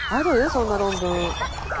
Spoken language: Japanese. そんな論文。